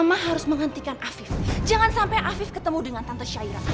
sama harus menghentikan afif jangan sampai afif ketemu dengan tante shairah